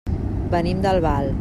Venim d'Albal.